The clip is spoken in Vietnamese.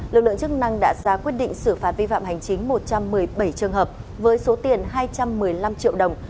lực lượng chức năng đã ra quyết định xử phạt vi phạm hành chính một trăm một mươi bảy trường hợp với số tiền hai trăm một mươi năm triệu đồng